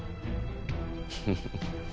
フフフ。